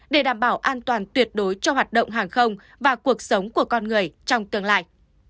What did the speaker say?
để đảm bảo an toàn tuyệt đối cho hoạt động hàng không và cuộc sống của con người trong tương lai